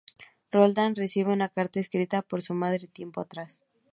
Roland recibe una carta escrita por su madre tiempo atrás.